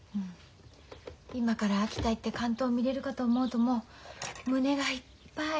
今から秋田行って竿燈見れるかと思うともう胸がいっぱい。